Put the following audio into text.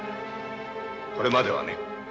これまではね。